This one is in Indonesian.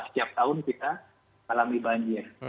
setiap tahun kita alami banjir